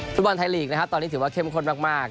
ธุรกิจภูมิบนไทยตอนนี้ดูเข้มคนมาก